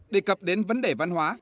đề cập đến vấn đề văn hóa